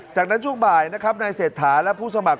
จากนั้นช่วงบ่ายนะครับนายเศรษฐาและผู้สมัคร